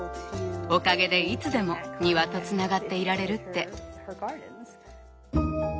「おかげでいつでも庭とつながっていられる」って。